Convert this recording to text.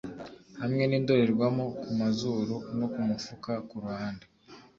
hamwe nindorerwamo kumazuru no kumufuka kuruhande;